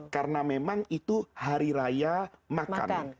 karena memang itu hari raya makan